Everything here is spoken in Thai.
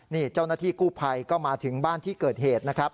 นี่เจ้าหน้าที่กู้ภัยก็มาถึงบ้านที่เกิดเหตุนะครับ